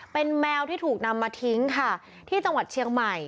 เป็นแมวที่ถูกนำมาทิ้งค่ะที่จังหวัดเชียงใหม่